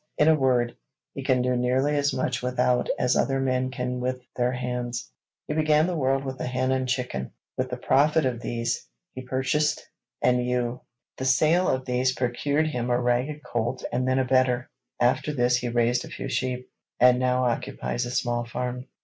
In a word, he can do nearly as much without, as other men can with, their hands.' 'He began the world with a hen and chicken; with the profit of these he purchased an ewe. The sale of these procured him a ragged colt and then a better; after this he raised a few sheep, and now occupies a small farm.'